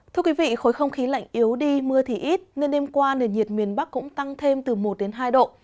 thưa quý vị khối không khí lạnh yếu đi mưa thì ít nên đêm qua nền nhiệt miền bắc cũng tăng thêm từ một đến hai độ